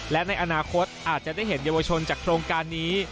และในอนาคตอาจจะได้เห็นเยาวชนจากโครงการนี้